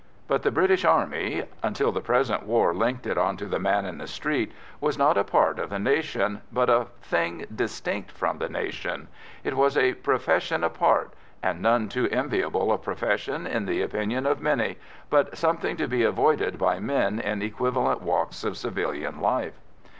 But the British Army, until the present war linked it on to the man in the street, was not a part of the nation, but a thing distinct from the nation; it was a profession apart, and none too enviable a profession, in the opinion of many, but something to be avoided by men in equivalent walks of civilian life.